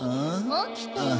起きてよ。